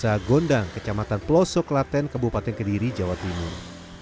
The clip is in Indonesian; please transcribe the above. salah satunya di desa gondang kecamatan peloso kelaten kebupaten kediri jawa timur